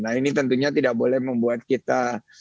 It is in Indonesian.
nah ini tentunya tidak boleh membuat kita